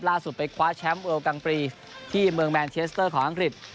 ไปคว้าแชมป์เอลกังปรีที่เมืองแมนเชสเตอร์ของอังกฤษ